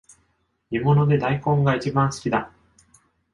煮物で大根がいちばん好きだ